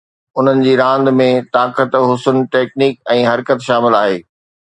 انهن جي راند ۾ طاقت، حسن، ٽيڪنڪ ۽ حرڪت شامل آهي